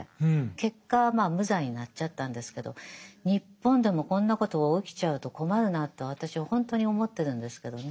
結果はまあ無罪になっちゃったんですけど日本でもこんなことが起きちゃうと困るなと私はほんとに思ってるんですけどね。